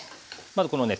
まずこのね